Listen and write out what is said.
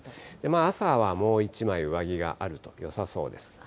朝はもう１枚上着があるとよさそうです。